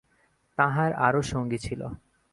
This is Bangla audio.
তাঁহার আরো সঙ্গী ছিল।